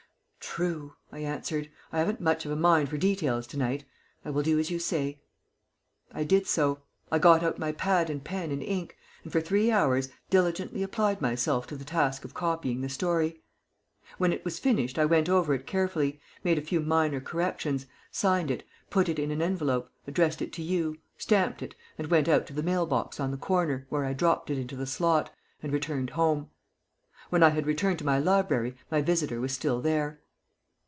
"True!" I answered. "I haven't much of a mind for details to night. I will do as you say." I did so. I got out my pad and pen and ink, and for three hours diligently applied myself to the task of copying the story. When it was finished I went over it carefully, made a few minor corrections, signed it, put it in an envelope, addressed it to you, stamped it, and went out to the mail box on the corner, where I dropped it into the slot, and returned home. When I had returned to my library my visitor was still there.